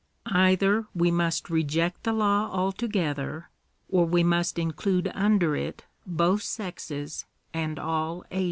Either we must reject the law altogether, or we must include under it both sexes and all ages.